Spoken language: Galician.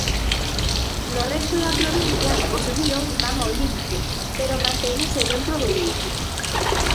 No resto da provincia, os ríos van ao límite, pero mantéñense dentro do leito.